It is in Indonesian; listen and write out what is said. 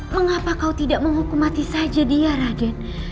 mengapa kau tidak menghukum mati saja dia raden